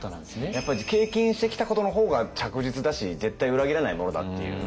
やっぱり経験してきたことの方が着実だし絶対裏切らないものだっていう。